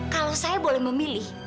kalau saya boleh memilih